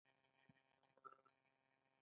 قدم له ئې منزل مخي له دوه قدمه راشي